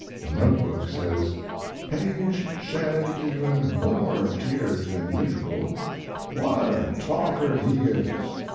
The note book says: Paige shed even more tears than usual. What a talker he is!